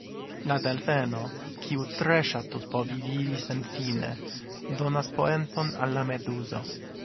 La delfeno, kiu tre ŝatus povi vivi senfine, donas poenton al la meduzo.